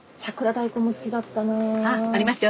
あありますよ